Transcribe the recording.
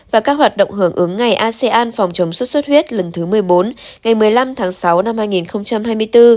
và các hoạt động hưởng ứng ngày asean phòng chống sốt xuất huyết lần thứ một mươi bốn ngày một mươi năm tháng sáu năm hai nghìn hai mươi bốn